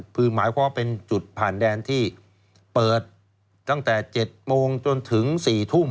คือหมายความว่าเป็นจุดผ่านแดนที่เปิดตั้งแต่๗โมงจนถึง๔ทุ่ม